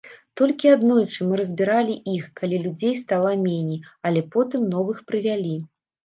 Толькі аднойчы мы разбіралі іх, калі людзей стала меней, але потым новых прывялі.